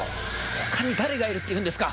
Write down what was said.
他に誰がいるっていうんですか！